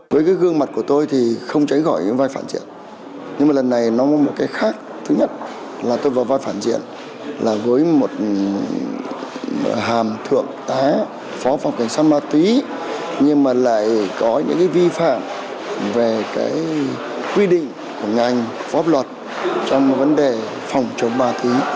phó phòng cảnh sát ma túy nhưng mà lại có những vi phạm về quy định của ngành phó luật trong vấn đề phòng chống ma túy